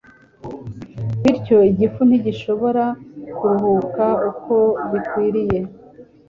Bityo, igifu ntigishobora kuruhuka uko bikwiriye,